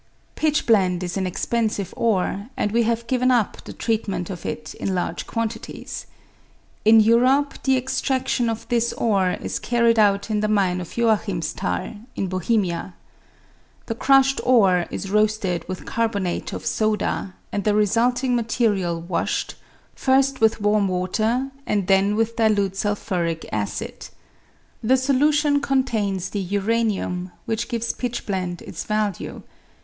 Pitchblende is an expensive ore, and we have given up the treatment of it in large quantities. In Europe the extradion of this ore is carried out in the mine of Joachimsthal, in Bohemia. The crushed ore is roasted with carbonate of soda, and the resulting material washed, first with warm water and then with dilute sulphuric acid. The solution contains the uranium, which gives pitchblende its value.